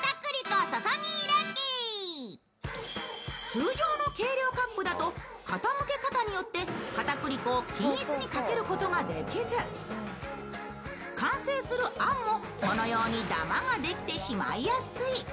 通常の計量カップだと傾け方によって片栗粉を均一にかけることができず、完成するあんもこのようにダマができてしまいやすい。